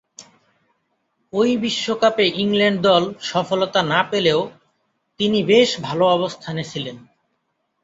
ঐ বিশ্বকাপে ইংল্যান্ড দল সফলতা না পেলেও তিনি বেশ ভাল অবস্থানে ছিলেন।